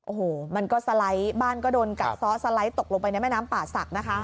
โอ้โหมันก็สไลด์บ้านก็โดนกัดซ้อสไลด์ตกลงไปในแม่น้ำป่าศักดิ์นะคะ